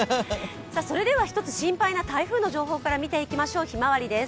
それでは１つ、心配な台風の情報から見ていきましょう、ひまわりです。